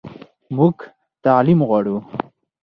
موږ تعلیم غواړو